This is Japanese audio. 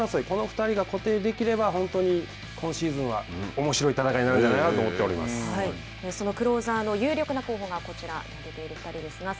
この２人が固定できれば本当に今シーズンはおもしろい戦いになるんじゃないそのクローザーの有力な候補がこちらの２人です。